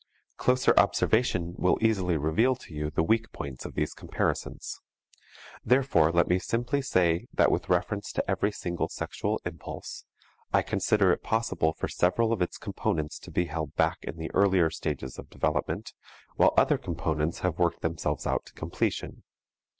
Closer observation will easily reveal to you the weak points of these comparisons. Therefore let me simply say that with reference to every single sexual impulse, I consider it possible for several of its components to be held back in the earlier stages of development while other components have worked themselves out to completion.